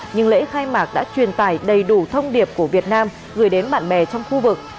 nhưng lễ khai mạc đã truyền tải đầy đủ thông điệp của việt nam gửi đến bạn bè trong khu vực